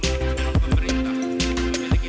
dan pemerintah memiliki